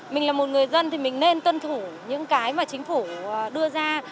mình là một người dân thì mình nên tuân thủ những cái mà chính phủ đưa ra